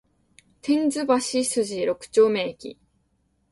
天津橋筋六丁目駅